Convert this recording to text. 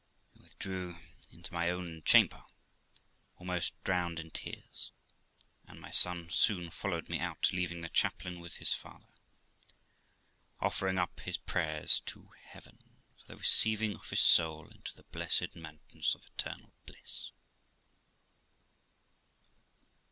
I withdrew into my own chamber, almost drowned in tears, and my son soon followed me out, leaving the chaplain with his father, offering up his prayers to Heaven for the receiving of his soul into the blessed mansions of eternal bliss.